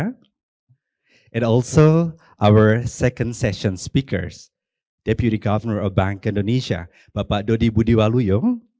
dan juga speaker kedua sesi kami deputi governor of bank indonesia bapak dodi budiwaluyo